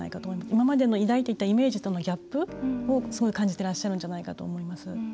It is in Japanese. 今までの抱いていたイメージとのギャップをすごい感じてらっしゃるんじゃないかと思います。